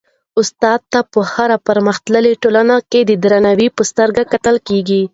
استاد ته په هره پرمختللي ټولنه کي د درناوي په سترګه کتل کيږي.